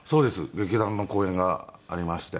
劇団の公演がありまして。